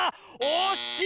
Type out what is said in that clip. おっしい！